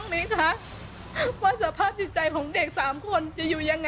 ที่มันก็มีเรื่องที่ดิน